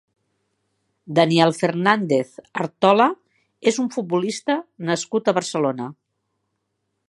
Daniel Fernández Artola és un futbolista nascut a Barcelona.